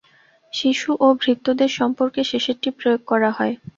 শিশু এবং ভৃত্যদের সম্পর্কে শেষেরটি প্রয়োগ করা হয়।